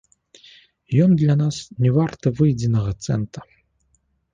Ён для нас не варты выедзенага цэнта.